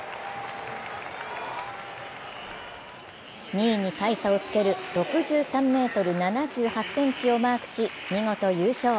２位に大差をつける６３ｍ７８ｃｍをマークし見事優勝